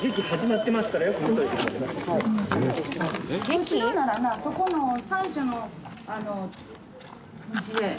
お城ならなそこの最初の道へ。